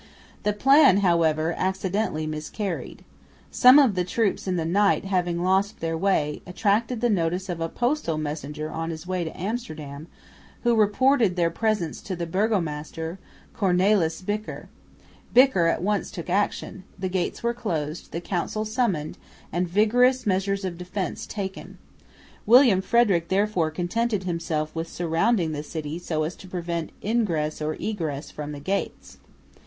The plan, however, accidentally miscarried. Some of the troops in the night having lost their way, attracted the notice of a postal messenger on his way to Amsterdam, who reported their presence to the burgomaster, Cornelis Bicker. Bicker at once took action. The gates were closed, the council summoned, and vigorous measures of defence taken. William Frederick therefore contented himself with surrounding the city, so as to prevent ingress or egress from the gates.